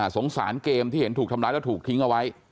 สงสารเกมที่เห็นถูกทำร้ายแล้วถูกทิ้งเอาไว้